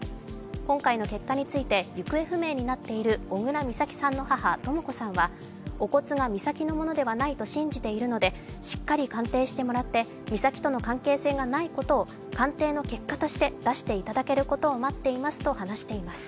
今回の結果について行方不明になっている小倉美咲さんの母・とも子さんはお骨が美咲のものではないと信じているので、しっかり鑑定してもらって、美咲との関係性がないことを鑑定の結果として出していただけることを待っていますと話しています。